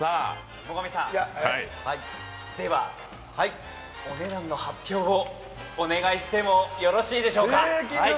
最上さん、では、お値段の発表をお願いしてもよろしいでしょうか？